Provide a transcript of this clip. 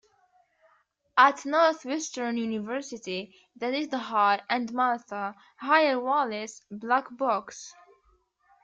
At Northwestern University there is The Hal and Martha Hyer Wallis Blackbox.